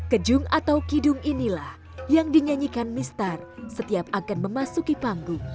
kejung atau kidung inilah yang dinyanyikan mister setiap akan memasuki panggung